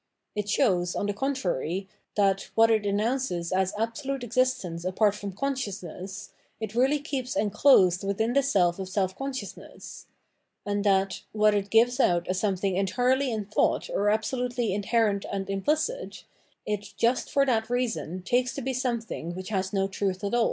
It shows, on the contrary, that, what it announces as absolute existence apart from consciousness, it really keeps enclosed within the self of self consciousness; and that, what it gives out as something entirely in thought or abso lutely inherent and implicit, it just for that reason takes to be something which has no truth at aU.